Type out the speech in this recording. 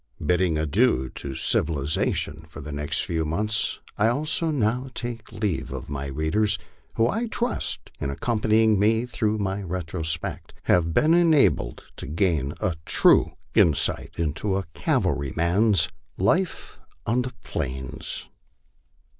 Bidding adieu to civili zation for the next few months, I also now take leave of my readers, who I trust, in accompanying me through my retrospect, have been enabled to gain a true insight into a cavalryman's "Life on the Plains."